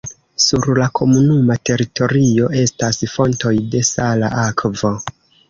Sur la komunuma teritorio estas fontoj de sala akvo.